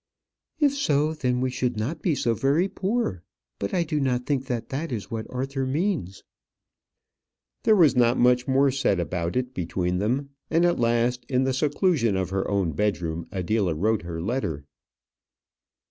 "If so, then we should not be so very poor; but I do not think that that is what Arthur means." There was not much more said about it between them; and at last, in the seclusion of her own bedroom, Adela wrote her letter.